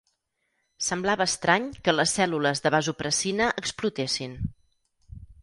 Semblava estrany que les cèl·lules de vasopressina explotessin.